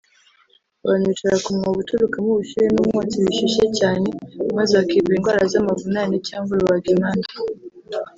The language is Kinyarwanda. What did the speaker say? Abantu bicara ku mwobo uturukamo ubushyuhe n’umwotsi bishyushye cyane maze bakivura indwara z’amavunane cyangwa rubagimpande